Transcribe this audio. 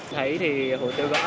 thấy thì hủ tiếu gõ